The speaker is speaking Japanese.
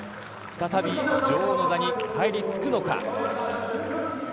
再び女王の座に返り咲くのか。